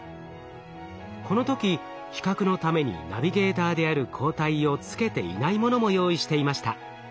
この時比較のためにナビゲーターである抗体をつけていないものも用意していました。